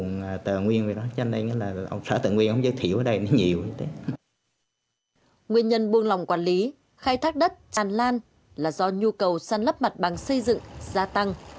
nguyên nhân buông lòng quản lý khai thác đất tràn lan là do nhu cầu săn lấp mặt bằng xây dựng gia tăng